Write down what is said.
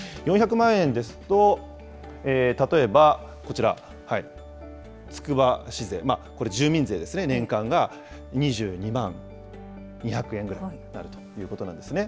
４００万円ですと、例えばこちら、つくば市税、これ、住民税ですね、年間が２２万２００円ぐらいになるということなんですね。